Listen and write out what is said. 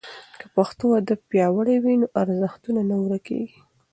که پښتو ادب پیاوړی وي نو ارزښتونه نه ورکېږي.